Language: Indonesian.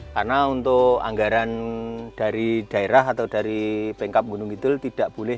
karena untuk anggaran dari daerah atau dari pengkap gunung itul tidak boleh